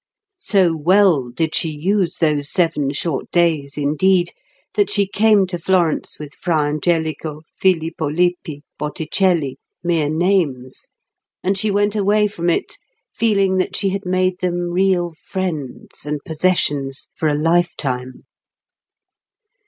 So well did she use those seven short days, indeed, that she came to Florence with Fra Angelico, Filippo Lippi, Botticelli, mere names; and she went away from it feeling that she had made them real friends and possessions for a lifetime.